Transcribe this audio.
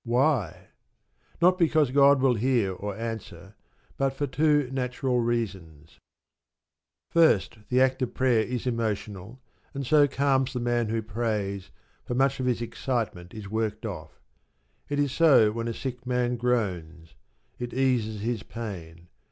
Why? Not because God will hear, or answer, but for two natural reasons. First, the act of prayer is emotional, and so calms the man who prays, for much of his excitement is worked off. It is so when a sick man groans: it eases his pain.